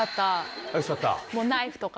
もうナイフとか。